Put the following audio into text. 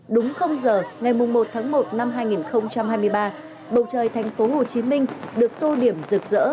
đúng không giờ ngày một tháng một năm hai nghìn hai mươi ba bầu trời thành phố hồ chí minh được tô điểm rực rỡ